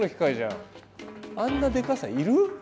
あんなでかさ要る？